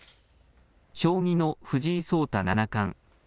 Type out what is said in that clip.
将棋の藤井聡太七冠。